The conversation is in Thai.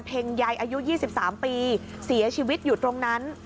ใยอายุ๒๓ปีเสียชีวิตอยู่ตรงนั้น